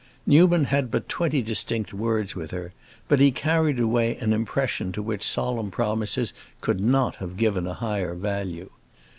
Newman had but twenty distinct words with her, but he carried away an impression to which solemn promises could not have given a higher value.